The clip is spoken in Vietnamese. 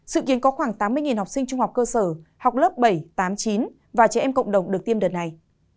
sự kiến có khoảng tám mươi học sinh trung học cơ sở học lớp bảy tám chín và trẻ em cộng đồng được tiêm đợt này